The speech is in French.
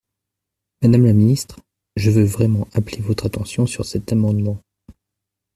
Madame la ministre, je veux vraiment appeler votre attention sur cet amendement.